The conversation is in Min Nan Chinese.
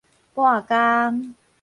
撥工